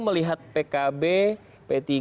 melihat pkb p tiga